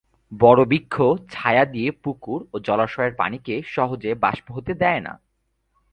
বড় বৃক্ষ ছায়া দিয়ে পুকুর ও জলাশয়ের পানিকে সহজে বাষ্প হতে দেয় না।